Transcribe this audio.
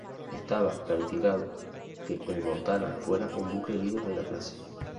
Estaba planificado que el "Montana" fuera el buque líder de la clase.